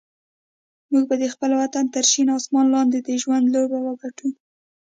موږ به د خپل وطن تر شین اسمان لاندې د ژوند لوبه وګټو.